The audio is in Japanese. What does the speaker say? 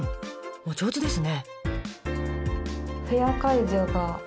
お上手ですね。